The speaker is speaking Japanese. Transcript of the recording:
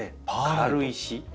軽石。